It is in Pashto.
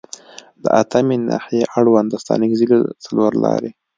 د اتمې ناحیې اړوند د ستانکزي له څلورلارې